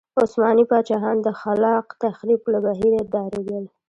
عثماني پاچاهان د خلاق تخریب له بهیره ډارېدل.